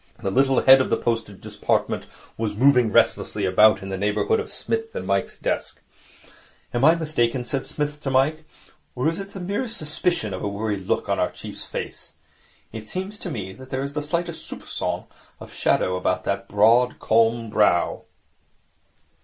The little head of the Postage Department was moving restlessly about in the neighbourhood of Psmith's and Mike's desk. 'Am I mistaken,' said Psmith to Mike, 'or is there the merest suspicion of a worried look on our chief's face? It seems to me that there is the slightest soupcon of shadow about that broad, calm brow.'